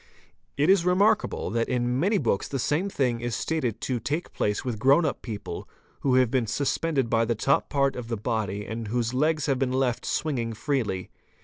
— 3 | It is remarkable that in many books the same thing is stated to take place with grown up people who have been suspended by the top part of the body and whose legs have been left swinging freely.